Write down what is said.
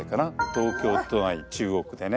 東京都内中央区でね